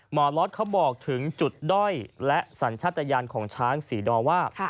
ล็อตเขาบอกถึงจุดด้อยและสัญชาติยานของช้างศรีดอว่า